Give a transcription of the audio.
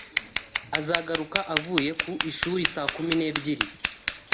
Azagaruka avuye ku ishuri saa kumi n'ebyiri